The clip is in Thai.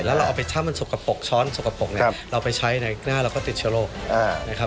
แล้วเราเอาไปช่ำมันสกปรกช้อนสกปรกเนี่ยเราไปใช้ในหน้าเราก็ติดเชื้อโรคนะครับ